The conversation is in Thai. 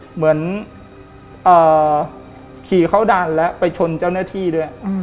เหมือนขี่เข้าดันแล้วไปชนเจ้าหน้าที่ด้วย